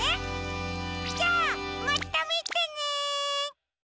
じゃあまたみてね！